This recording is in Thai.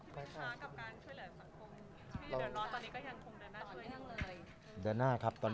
ไปแล้วชีวิตช้างกับการช่วยแหล่งสังคม